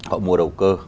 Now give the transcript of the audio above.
họ mua đầu cơ